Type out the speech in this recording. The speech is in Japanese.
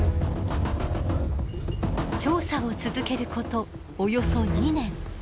調査を続けることおよそ２年。